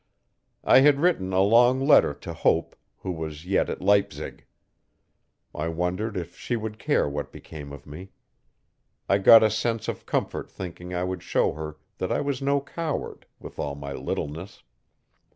I had written a long letter to Hope, who was yet at Leipzig. I wondered if she would care what became of me. I got a sense of comfort thinking I would show her that I was no coward, with all my littleness.